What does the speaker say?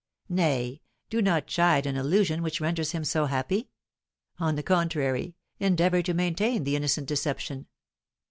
"Nay, do not chide an illusion which renders him so happy. On the contrary, endeavour to maintain the innocent deception.